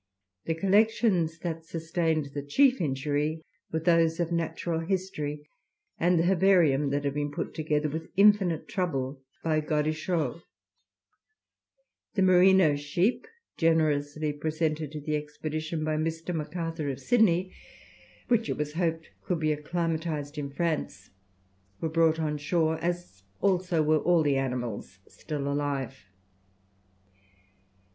The collections that sustained the chief injury were those of natural history, and the herbarium that had been put together with infinite trouble by Gaudichaud. The merino sheep, generously presented to the expedition by Mr. MacArthur, of Sydney, which it was hoped could be acclimatized in France, were brought on shore, as also were all the animals still alive.